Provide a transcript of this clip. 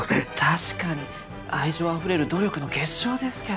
確かに愛情あふれる努力の結晶ですけど。